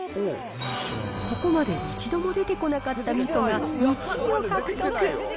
ここまで一度も出てこなかったみそが１位を獲得。